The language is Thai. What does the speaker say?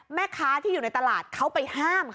แม่ค้าที่อยู่ในตลาดเขาไปห้ามค่ะ